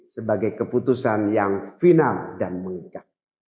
sebagai keputusan yang final dan mengikat